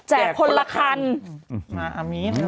แจกคนละครรภ์